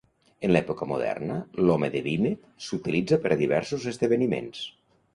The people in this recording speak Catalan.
En l'època moderna, l'home de vímet s'utilitza per a diversos esdeveniments.